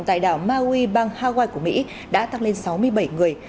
tại đảo maui bang hawaii của mỹ đã tăng lên sáu mươi bảy người